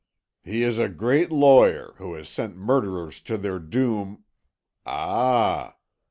"He is a great lawyer, who has sent murderers to their doom " "Ah!"